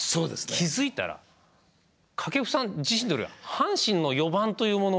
気付いたら掛布さん自身というよりは阪神の４番というもの。